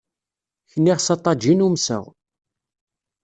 Kniɣ s aḍajin umseɣ.